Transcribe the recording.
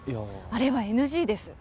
あれはＮＧです。